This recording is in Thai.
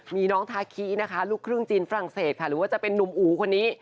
มีน้องทาคินะคะลูกครึ่งจีนฝรั่งเศสค่ะหรือว่าจะเป็นนุ่มอู๋คนนี้